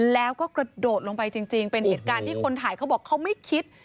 แล้วก็กระโดดลงไปจริงเป็นเหตุการณ์ที่คนถ่ายเขาบอกเขาไม่คิด